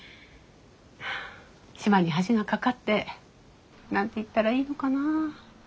島に橋が架かって何て言ったらいいのかなあ。